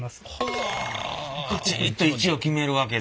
カチッと位置を決めるわけだ。